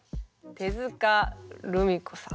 手塚るみ子さん。